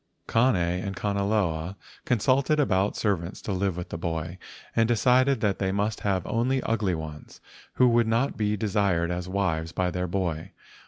Kane and Kanaloa consulted about servants to live with the boy, and decided that they must have only ugly ones, who would not be desired as wives by their boy.